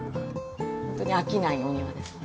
ホントに飽きないお庭ですね。